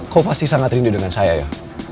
kok pasti sangat rindu dengan saya ya